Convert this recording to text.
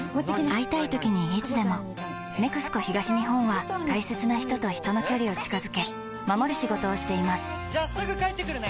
会いたいときにいつでも「ＮＥＸＣＯ東日本」は大切な人と人の距離を近づけ守る仕事をしていますじゃあすぐ帰ってくるね！